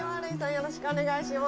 よろしくお願いします。